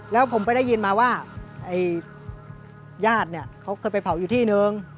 แล้วผมไปได้ยินมาว่าญาติเนี่ยเขาเคยไปเผาอยู่ที่นึง